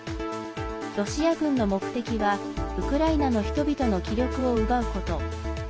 ロシア軍の目的は、ウクライナの人々の気力を奪うこと。